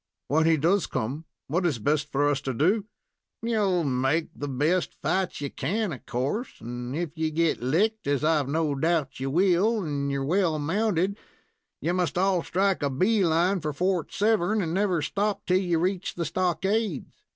"When he does come, what is best for us to do?" "You'll make the best fight you can, of course, and if you get licked, as I've no doubt you will, and you're well mounted, you must all strike a bee line for Fort Severn, and never stop till you reach the stockades.